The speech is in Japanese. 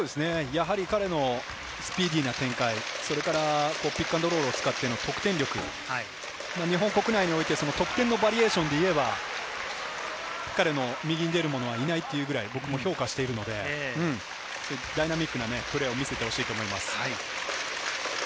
彼のスピーディーな展開、それからピックアンドロールを使っての得点力、日本国内においての得点のバリエーションで言えば、彼の右に出る者はいないというくらい僕も評価していますので、ダイナミックなプレーを見せてほしいと思います。